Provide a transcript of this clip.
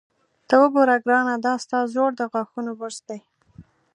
ته وګوره ګرانه، دا ستا زوړ د غاښونو برس دی.